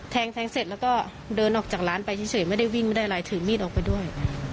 แทงแทงเสร็จแล้วก็เดินออกจากร้านไปเฉยไม่ได้วิ่งไม่ได้อะไรถือมีดออกไปด้วย